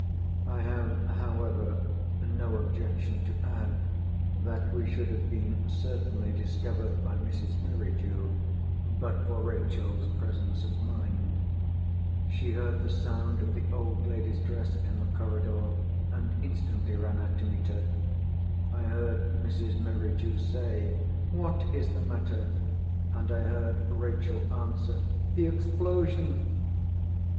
I have, however, no objection to add, that we should have been certainly discovered by Mrs. Merridew, but for Rachel's presence of mind. She heard the sound of the old lady's dress in the corridor, and instantly ran out to meet her; I heard Mrs. Merridew say, "What is the matter?" and I heard Rachel answer, "The explosion!"